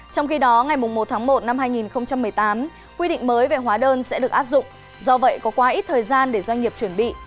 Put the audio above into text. trong khi đó ngày một tháng một năm hai nghìn một mươi tám quy định mới về hóa đơn sẽ được áp dụng do vậy có quá ít thời gian để doanh nghiệp chuẩn bị